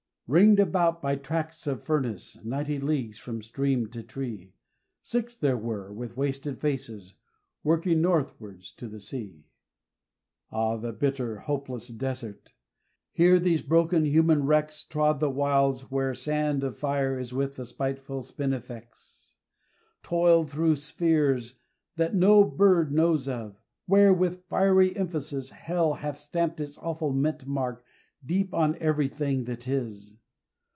Ringed about by tracks of furnace, ninety leagues from stream and tree, Six there were, with wasted faces, working northwards to the sea! ..... Ah, the bitter, hopeless desert! Here these broken human wrecks Trod the wilds where sand of fire is with the spiteful spinifex, Toiled through spheres that no bird knows of, where with fiery emphasis Hell hath stamped its awful mint mark deep on every thing that is!